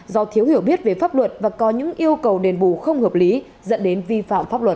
do thiếu hiểu biết về pháp luật và có những yêu cầu đền bù không hợp lý dẫn đến vi phạm pháp luật